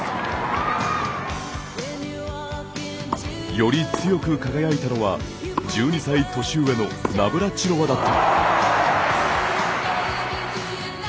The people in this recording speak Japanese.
より強く輝いたのは１２歳年上のナブラチロワだった。